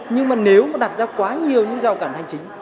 nhưng mà nếu đặt ra quá nhiều giao cản hành chính